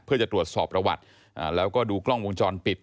เพื่อจะตรวจสอบประวัติแล้วก็ดูกล้องวงจรปิด